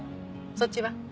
そっちは？